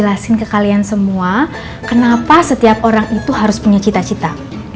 saya mau kasih tau sekalian semua kenapa setiap orang itu harus punya cita cita